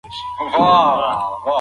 د الوتکې کړکۍ په باران کې لنده وه.